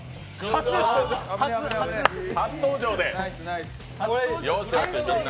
初登場で。